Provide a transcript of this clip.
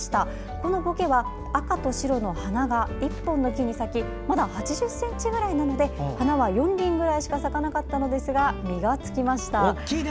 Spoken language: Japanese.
このボケは赤と白の花が１本の木に咲きまだ８０ｃｍくらいなので花は４輪くらいしか咲かなかったのですが実がつきました。